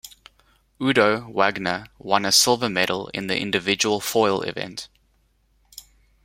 Udo Wagner won a silver medal in the individual foil event.